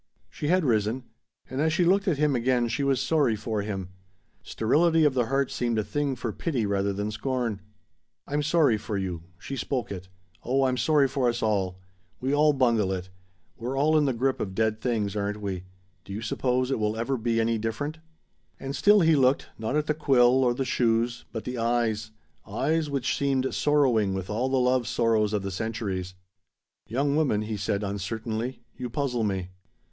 She had risen. And as she looked at him again she was sorry for him. Sterility of the heart seemed a thing for pity rather than scorn. "I'm sorry for you," she spoke it. "Oh I'm sorry for us all! We all bungle it! We're all in the grip of dead things, aren't we? Do you suppose it will ever be any different?" And still he looked, not at the quill or the shoes, but the eyes, eyes which seemed sorrowing with all the love sorrows of the centuries. "Young woman," he said uncertainly, "you puzzle me."